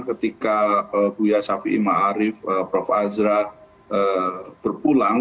ketika buya shafi'i ma'arif prof asra berpulang